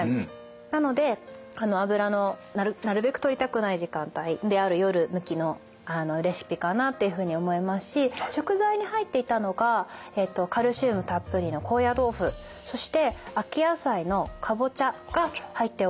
なので油のなるべくとりたくない時間帯である夜向きのレシピかなっていうふうに思いますし食材に入っていたのがカルシウムたっぷりの高野豆腐そして秋野菜のカボチャが入っております。